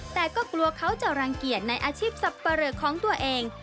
แต่ก็กลัวเขาจะรังเกียจในอาชีพสับปะเรอของตัวเอง